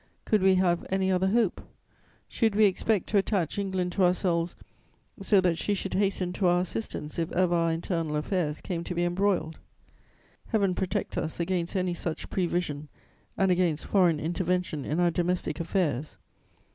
Could we have any other hope? Should we expect to attach England to ourselves so that she should hasten to our assistance if ever our internal affairs came to be embroiled? "Heaven protect us against any such prevision and against foreign intervention in our domestic affairs!